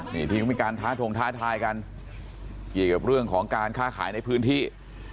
นี่ที่เขามีการท้าทงท้าทายกันเกี่ยวกับเรื่องของการค้าขายในพื้นที่